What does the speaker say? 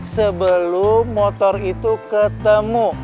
sebelum motor itu ketemu